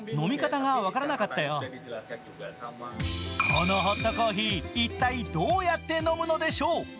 このホットコーヒー一体どうやって飲むのでしょう。